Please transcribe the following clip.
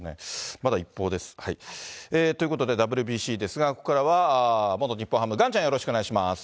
まだ一報です。ということでＷＢＣですが、ここからは元日本ハム、岩ちゃん、よろしくお願いします。